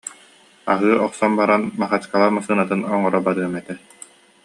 Аһыы охсон баран Махачкала массыынатын оҥоро барыам этэ